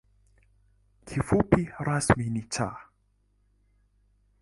Kifupi rasmi ni ‘Cha’.